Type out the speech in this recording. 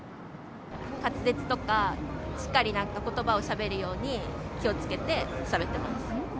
滑舌とか、しっかりことばをしゃべるように気をつけてしゃべってます。